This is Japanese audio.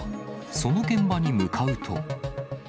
その現場に向かうと。